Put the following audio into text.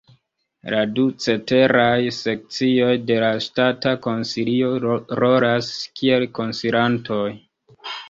La du ceteraj sekcioj de la Ŝtata Konsilio rolas kiel konsilantoj.